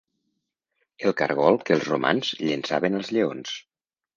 El cargol que els romans llençaven als lleons.